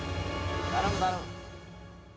頼む頼む。